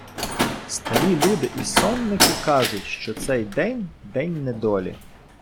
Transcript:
Старі люди і сонники кажуть, що цей день — день недолі.